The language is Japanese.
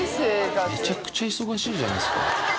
めちゃくちゃ忙しいじゃないですか。